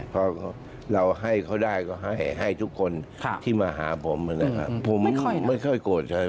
เพราะเราให้เขาได้ก็ให้ทุกคนที่มาหาผมนะครับ